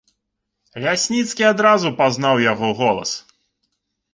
Лясніцкі адразу пазнаў яго голас.